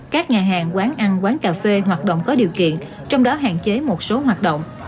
các nhà hàng quán ăn quán cà phê hoạt động có điều kiện trong đó hạn chế một số hoạt động